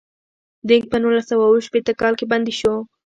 دینګ په نولس سوه اووه شپیته کال کې بندي شو.